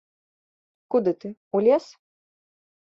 Куды ты, у лес?